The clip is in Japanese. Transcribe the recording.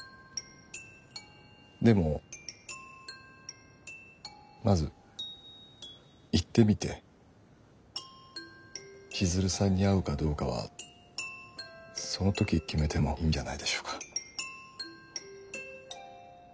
でもまず行ってみて千鶴さんに会うかどうかはその時決めてもいいんじゃないでしょうか？